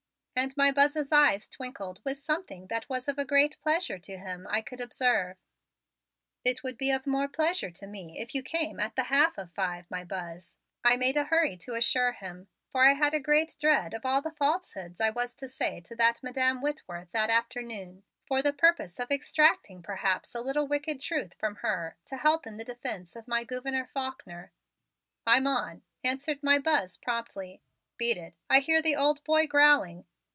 And my Buzz's eyes twinkled with something that was of a great pleasure to him I could observe. "It would be of more pleasure to me if you came at the half of five, my Buzz," I made a hurry to assure him, for I had a great dread of all of the falsehoods I was to say to that Madam Whitworth that afternoon for the purpose of extracting perhaps a little wicked truth from her to help in the defense of my Gouverneur Faulkner. "I'm on," answered my Buzz promptly. "Beat it! I hear the old boy growling."